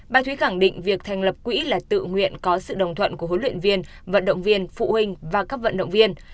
bà thúy khẳng định việc thành lập quỹ là tự nguyện có sự đồng thuận của huấn luyện viên vận động viên phụ huynh và các vận động viên